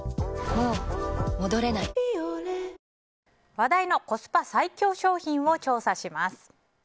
話題のコスパ最強商品を調査します。